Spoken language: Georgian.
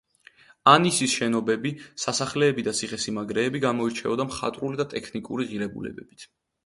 ანისის შენობები, სასახლეები და ციხესიმაგრეები გამოირჩეოდა მხატვრული და ტექნიკური ღირებულებებით.